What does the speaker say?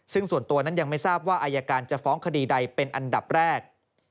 ซึ่งส่วนตัวนั้นยังไม่ทราบว่าอายการจะฟ้องคดีใดเป็นอันดับแรก